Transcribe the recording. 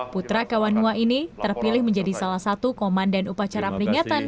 putra kawan mua ini terpilih menjadi salah satu komandan upacara peringatan